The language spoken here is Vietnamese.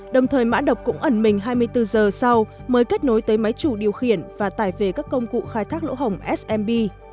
đồng thời mã độc cũng ẩn mình hai mươi bốn giờ sau mới kết nối tới máy chủ điều khiển và tải về các công cụ khai thác lỗ hồng smb